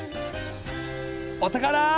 お宝。